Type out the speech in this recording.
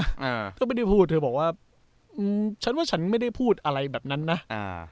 อ่าก็ไม่ได้พูดเธอบอกว่าอืมฉันว่าฉันไม่ได้พูดอะไรแบบนั้นนะอ่า